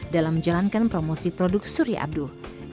dalam menjalankan promosi produk surya abduh